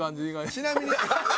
ちなみに。